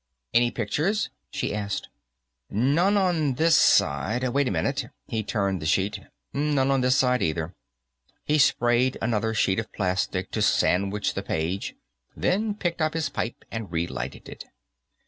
"Any pictures?" she asked. "None on this side. Wait a moment." He turned the sheet. "None on this side, either." He sprayed another sheet of plastic to sandwich the page, then picked up his pipe and relighted it.